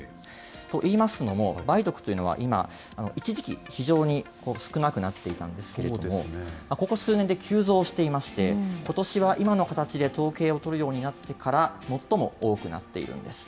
といいますのも、梅毒というのは今、一時期、非常に少なくなっていたんですけれども、ここ数年で急増していまして、ことしは今の形で統計を取るようになってから最も多くなっているんです。